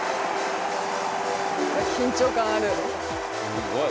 すごい。